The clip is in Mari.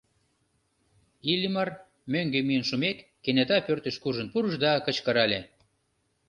Иллимар, мӧҥгӧ миен шумек, кенета пӧртыш куржын пурыш да кычкырале: